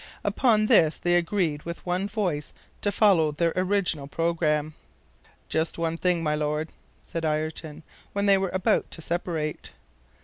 Upon this they agreed with the one voice to follow their original programme. "Just one thing, my Lord," said Ayrton, when they were about to separate.